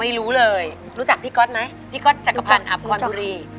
ไม่รู้เลยรู้จักพี่ก๊อตไหมพี่ก๊อตจักรพันธ์อับพรบุรี